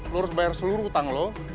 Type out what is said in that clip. lo harus bayar seluruh utang lo